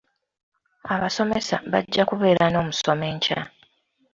Abasomesa bajja kubeera n'omusomo enkya.